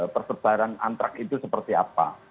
persebaran antrak itu seperti apa